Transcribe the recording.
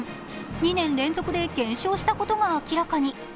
２年連続で減少したことが明らかに。